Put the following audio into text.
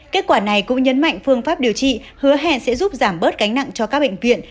kết quả này cũng nhấn mạnh phương pháp điều trị hứa hẹn sẽ giúp giảm bớt gánh nặng cho các bệnh viện